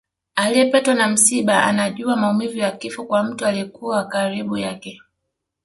Aliyepatwa na msiba anajua maumivu ya kifo kwa mtu aliyekuwa wa karibu yake